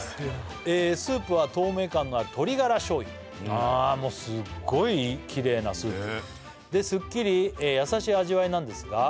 「スープは透明感のある鶏ガラ醤油」あもうすごいきれいなスープで「すっきり優しい味わいなんですが」